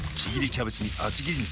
キャベツに厚切り肉。